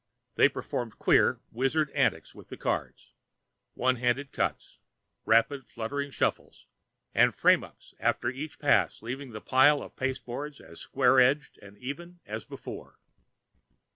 They performed queer, wizard antics with the cards—one handed cuts, rapid, fluttering shuffles and "frame ups," after each pass leaving the pile of pasteboards as square edged and even as before.